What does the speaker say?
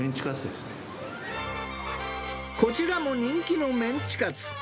こちらも人気のメンチカツ。